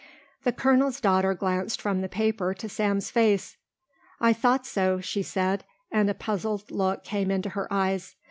The colonel's daughter glanced from the paper to Sam's face. "I thought so," she said, and a puzzled look came into her eyes.